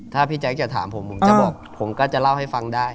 ถ้าพี่แจ๊คจะถามผมผมจะบอกผมก็จะเล่าให้ฟังได้